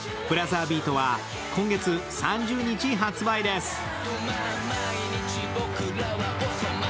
「ブラザービート」は今月３０日発売です。